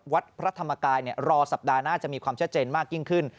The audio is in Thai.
วัดพระธรรมกายรอสัปดาห์หน้าจะมีความชัดเจนมากยิ่งขึ้น